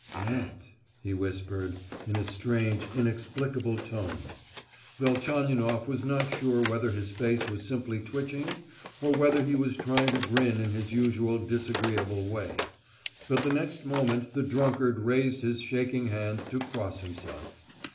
"Dead!" he whispered, in a strange inexplicable tone. Velchaninoff was not sure whether his face was simply twitching, or whether he was trying to grin in his usual disagreeable way; but the next moment the drunkard raised his shaking hand to cross himself.